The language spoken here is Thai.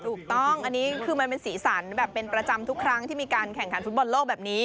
ถูกต้องอันนี้คือมันเป็นสีสันแบบเป็นประจำทุกครั้งที่มีการแข่งขันฟุตบอลโลกแบบนี้